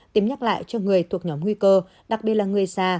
tìm nhắc lại cho người thuộc nhóm nguy cơ đặc biệt là người già